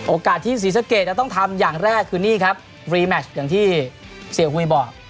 โอกาสที่ศรีสะเกดจะต้องทำอย่างแรกคือนี่ครับรีแมชอย่างที่เสียหุยบอก